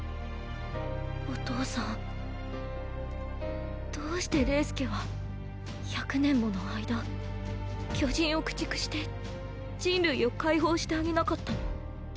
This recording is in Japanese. お父さんどうしてレイス家は１００年もの間巨人を駆逐して人類を解放してあげなかったの？